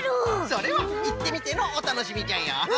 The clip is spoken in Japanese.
それはいってみてのおたのしみじゃよ。